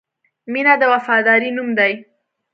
• مینه د وفادارۍ نوم دی.